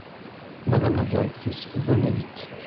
Madame la directrice, venez vite.